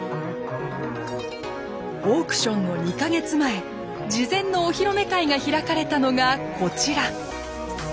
オークションの２か月前事前のお披露目会が開かれたのがこちら。